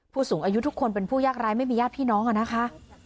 ผู้สูงอายุทุกคนเป็นผู้ยากร้ายไม่มีญาติพี่น้องอะนะคะ